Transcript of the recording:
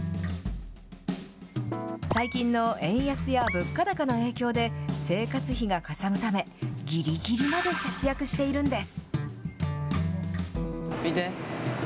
最近の円安や物価高の影響で、生活費がかさむため、ぎりぎりまで節約しているんです。